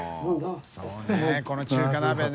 修Δこの中華鍋ね。